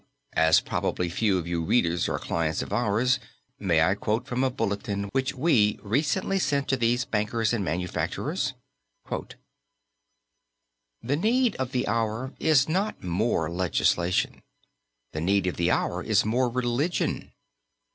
As probably few of you readers are clients of ours, may I quote from a Bulletin which we recently sent to these bankers and manufacturers? "The need of the hour is not more legislation. The need of the hour is more religion.